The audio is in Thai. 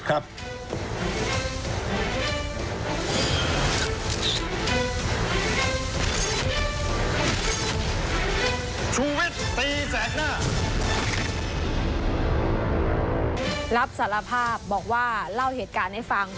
รับสารภาพบอกว่าเล่าเหตุการณ์ให้ฟัง